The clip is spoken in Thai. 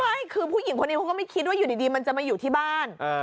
ไม่คือผู้หญิงคนนี้เขาก็ไม่คิดว่าอยู่ดีมันจะมาอยู่ที่บ้าน